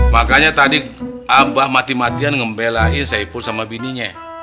makanya tadi abah mati matian ngembelain saipu sama bininya